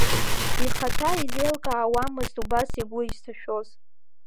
Ихаҭа изеилкаауамызт убас игәы изҭашәоз.